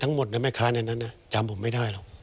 ทั้งร้อยเปอร์เซ็นต์มันก็คงเป็นไม่ได้หรอก